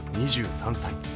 ２３歳。